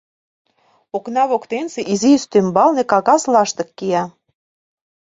Окна воктенсе изи ӱстембалне кагаз лаштык кия.